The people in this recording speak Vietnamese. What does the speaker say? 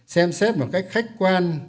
xem xét một cách khách quan